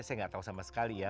saya nggak tahu sama sekali ya